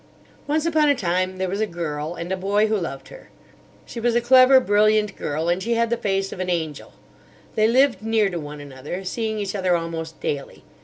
"Once upon a time there was a girl, and a boy who loved her. She was a clever, brilliant girl, and she had the face of an angel. They lived near to one another, seeing each other almost daily.